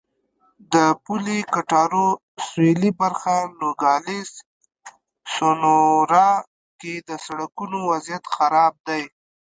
د پولې کټارو سوېلي برخه نوګالس سونورا کې د سړکونو وضعیت خراب دی.